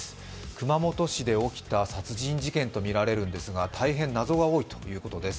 熊本市で起きた殺人事件とみられるんですが大変、謎が多いということです。